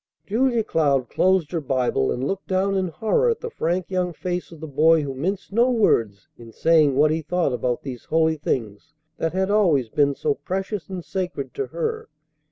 Julia Cloud closed her Bible, and looked down in horror at the frank young face of the boy who minced no words in saying what he thought about these holy things that had always been so precious and sacred to her.